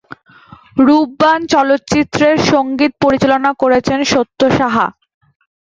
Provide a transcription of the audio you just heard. রূপবান চলচ্চিত্রের সঙ্গীত পরিচালনা করেছেন সত্য সাহা।